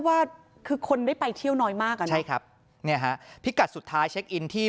ว่าคือคนได้ไปเที่ยวน้อยมากใช่ครับพิกัดสุดท้ายเช็คอินที่